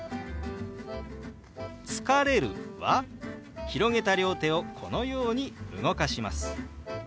「疲れる」は広げた両手をこのように動かします。